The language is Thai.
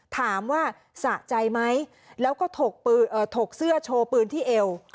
สะใจไหมแล้วก็ถกเสื้อโชว์ปืนที่เอว